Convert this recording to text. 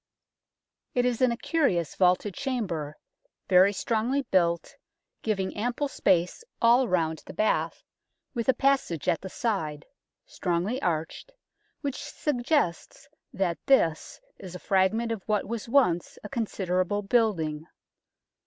It is in a curious vaulted chamber, very strongly built, giving ample space all round the bath, with a passage at the side, strongly arched, which suggests that this is a fragment of what was once a considerable building.